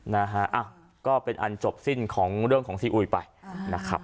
นะฮะก็เป็นอันจบสิ้นของเรื่องของซีอุยไปนะครับ